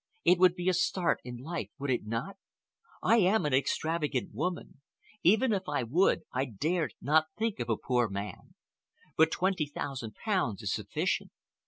It would be a start in life, would it not? I am an extravagant woman. Even if I would, I dared not think of a poor man. But twenty thousand pounds is sufficient.